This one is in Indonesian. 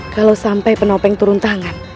kalau sampai penopeng turun tangan